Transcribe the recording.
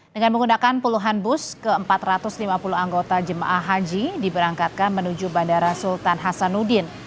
dengan menggunakan puluhan bus ke empat ratus lima puluh anggota jemaah haji diberangkatkan menuju bandara sultan hasanuddin